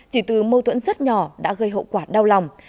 chỉ từ mâu thuẫn rất nhỏ đã gây hậu quả đau lòng